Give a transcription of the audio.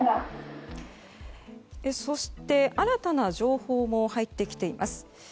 そして、新たな情報も入ってきています。